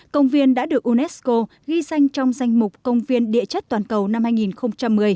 công viên đã được unesco ghi danh trong danh mục công viên địa chất toàn cầu năm hai nghìn một mươi